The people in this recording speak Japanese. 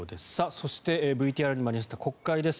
そして、ＶＴＲにもありました国会です。